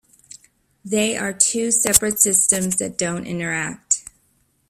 They are two separate systems that don't interact.